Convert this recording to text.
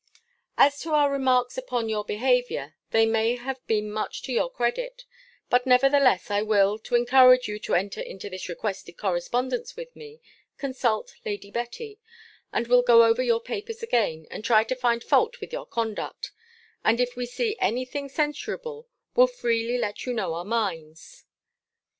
As to our remarks upon your behaviour, they have been much to your credit: but nevertheless, I will, to encourage you to enter into this requested correspondence with me, consult Lady Betty, and will go over your papers again, and try to find fault with your conduct, and if we see any thing censurable, will freely let you know our minds.